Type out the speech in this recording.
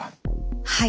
はい。